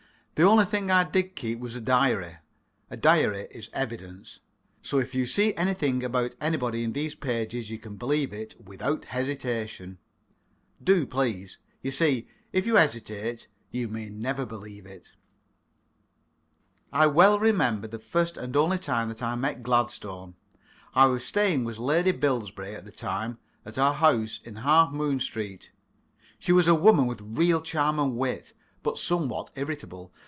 The only thing I did keep was a diary. A diary is evidence. So if you see anything about anybody in these pages, you can believe it without hesitation. Do, please. You see, if you hesitate, you may never believe it. I well remember the first and only time that I met Gladstone. I was staying with Lady Bilberry at the time at her house in Half Moon Street. She was a woman with real charm and wit, but somewhat irritable.